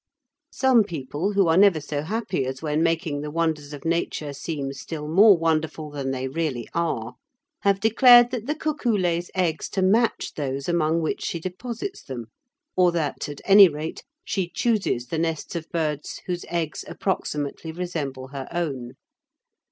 Some people, who are never so happy as when making the wonders of Nature seem still more wonderful than they really are, have declared that the cuckoo lays eggs to match those among which she deposits them, or that, at any rate, she chooses the nests of birds whose eggs approximately resemble her own.